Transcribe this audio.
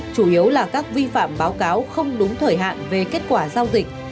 chủ yếu là các vi phạm báo cáo không đúng thời hạn về kết quả giao dịch